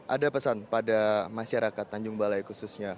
ada pesan pada masyarakat tanjung balai khususnya